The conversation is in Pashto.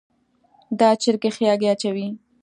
دا چرګي ښي هګۍ اچوي